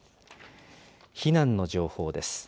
避難の情報です。